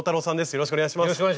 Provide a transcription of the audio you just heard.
よろしくお願いします。